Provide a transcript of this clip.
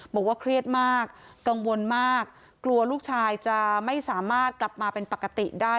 บอกว่าเครียดมากกังวลมากกลัวลูกชายจะไม่สามารถกลับมาเป็นปกติได้